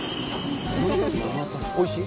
おいしい？